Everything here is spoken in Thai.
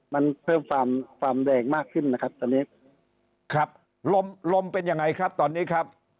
มันเพิ่มความแรงมากขึ้นนะครับตอนนี้ครับลมลมเป็นยังไงครับตอนนี้ครับ